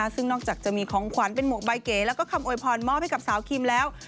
ซึ่งนอกจากจะมีของขวัญเป็นหมวกใบเก๋แล้วก็คำโวยพรมอบให้กับสาวคิมแล้ว